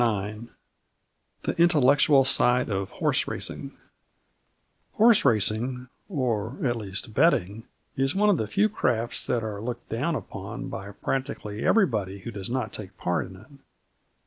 IX THE INTELLECTUAL SIDE OF HORSE RACING Horse racing or, at least, betting is one of the few crafts that are looked down on by practically everybody who does not take part in it.